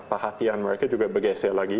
perhatian mereka juga bergeser lagi